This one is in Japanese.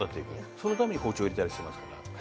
そのために包丁を入れたりしますから。